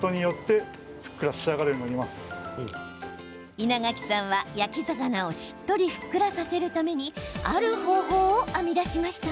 稲垣さんは、焼き魚をしっとりふっくらさせるためにある方法を編み出しました。